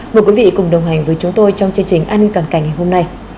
mời quý vị cùng đồng hành với chúng tôi trong chương trình an ninh toàn cảnh ngày hôm nay